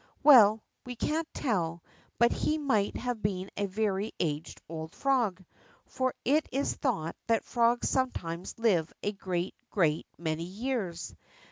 Well, we can't tell, but he might have been a very aged old frog, for it is thought that frogs sometimes live a great, great many years.